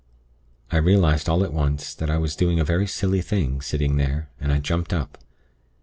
I realized all at once that I was doing a very silly thing, sitting there, and I jumped up.